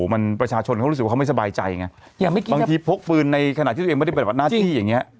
มันประชาชนเขารู้สึกว่าเขาไม่สบายใจไงบางทีพกปืนในขณะที่ตัวเองไม่ได้ปฏิบัติหน้าที่อย่างเงี้ย